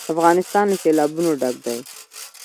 افغانستان له سیلابونه ډک دی.